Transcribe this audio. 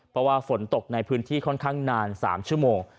เพราะว่าฝนตกในพื้นที่ค่อนข้างนาน๓ชั่วโมง